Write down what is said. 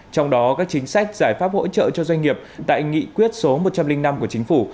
trong đó các chính sách giải pháp hỗ trợ cho doanh nghiệp tại nghị quyết số một trăm linh năm của chính phủ